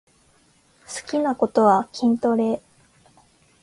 好きなことは筋トレ